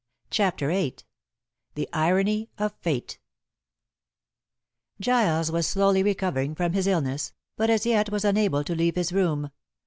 CHAPTER VIII THE IRONY OF FATE Giles was slowly recovering from his illness, but as yet was unable to leave his room.